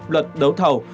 luật đấu thầu